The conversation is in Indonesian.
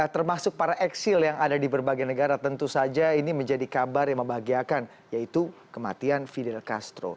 termasuk para eksil yang ada di berbagai negara tentu saja ini menjadi kabar yang membahagiakan yaitu kematian fidel castro